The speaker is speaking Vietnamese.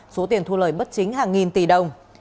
số tiền thu lời bất chính hàng nghìn tỷ đồng